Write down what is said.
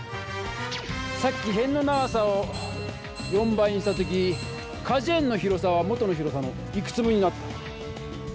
さっきへんの長さを４倍にした時かじゅ園の広さは元の広さのいくつ分になった？